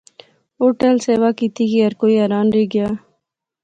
او ٹہل سیوا کیتی کہ ہر کوئی حیران رہی گیا